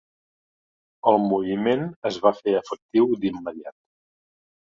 El moviment es va fer efectiu d'immediat.